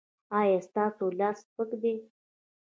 ایا ستاسو لاس سپک دی؟